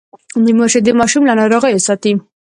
د مور شیدې ماشوم له ناروغیو ساتي۔